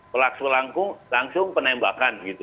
pelaku langsung penembakan